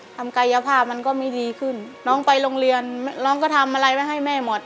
กายภาพมันก็ไม่ดีขึ้นน้องไปโรงเรียนน้องก็ทำอะไรไว้ให้แม่หมด